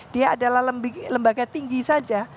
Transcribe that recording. dia adalah lembaga tinggi saja